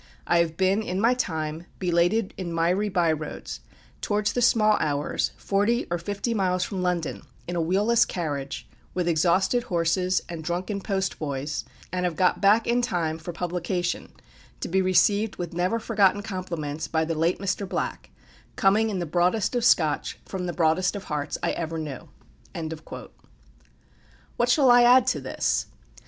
I have been, in my time, belated in miry by roads, towards the small hours, forty or fifty miles from London, in a wheel less carriage, with exhausted horses, and drunken postboys, and have got back in time for publication, to be received with never forgotten compliments by the late Mr. Black, coming in the broadest of Scotch from the broadest of hearts I ever knew." What shall I add to this?